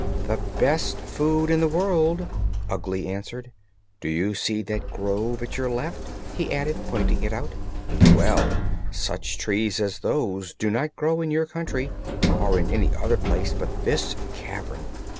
"The best food in the world," Ugly answered. "Do you see that grove at your left?" he added, pointing it out; "well, such trees as those do not grow in your country, or in any other place but this cavern.